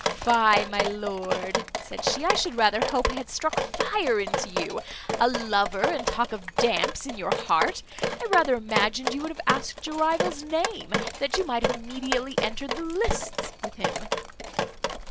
"Fie, my lord," said she, "I should rather hope I had struck fire into you. A lover, and talk of damps in your heart! I rather imagined you would have asked your rival's name, that you might have immediately entered the lists with him."